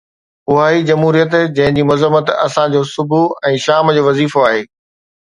اها ئي جمهوريت جنهن جي مذمت اسان جو صبح ۽ شام جو وظيفو آهي.